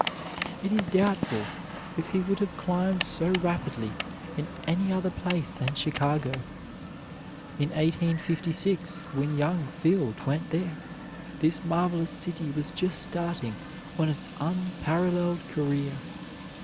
It is doubtful if he would have climbed so rapidly in any other place than Chicago. In 1856, when young Field went there, this marvelous city was just starting on its unparalleled career.